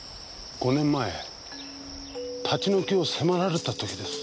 ５年前立ち退きを迫られた時です。